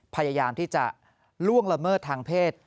พยายามที่จะล่วงละเมิดทางเพศ